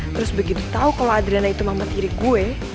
terus begitu tau kalo adriana itu mama tiri gue